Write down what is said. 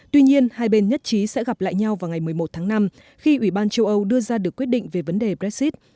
tuy nhiên hai bên nhất trí sẽ gặp lại nhau vào ngày một mươi một tháng năm khi ủy ban châu âu đưa ra được quyết định về vấn đề brexit